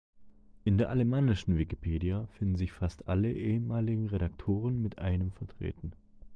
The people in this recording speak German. In der alemannischen Wikipedia finden sich fast alle ehemaligen Redaktoren mit einem vertreten.